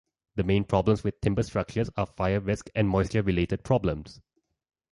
The main problems with timber structures are fire risk and moisture-related problems.